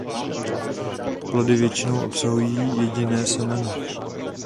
Plody většinou obsahují jediné semeno.